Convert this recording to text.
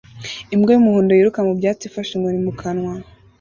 Imbwa y'umuhondo yiruka mu byatsi ifashe inkoni mu kanwa